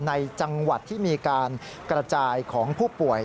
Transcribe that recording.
ในจังหวัดที่มีการกระจายของผู้ป่วย